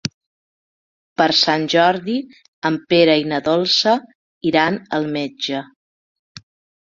Per Sant Jordi en Pere i na Dolça iran al metge.